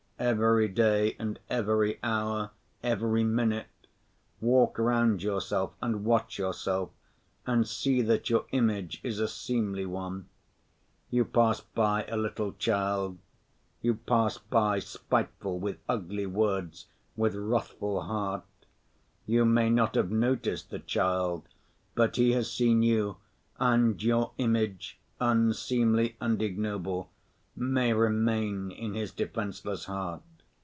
Every day and every hour, every minute, walk round yourself and watch yourself, and see that your image is a seemly one. You pass by a little child, you pass by, spiteful, with ugly words, with wrathful heart; you may not have noticed the child, but he has seen you, and your image, unseemly and ignoble, may remain in his defenseless heart.